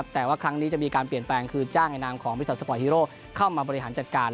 แต่ว่าครั้งนี้จะมีการเปลี่ยนแปลงคือจ้างในนามของบริษัทสปอร์ตฮีโร่เข้ามาบริหารจัดการ